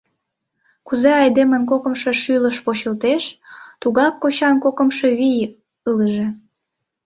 Кузе айдемын кокымшо шӱлыш почылтеш, тугак кочан кокымшо вий ылыже.